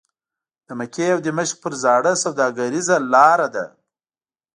د مکې او دمشق پر زاړه سوداګریزه لاره ده.